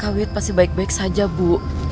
sawit pasti baik baik saja bu